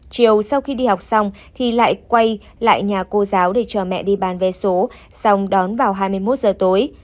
chiều sau khi đi học xong thì lại quay lại nhà cô giáo để cho mẹ đi bán vé số xong đón vào hai mươi một giờ tối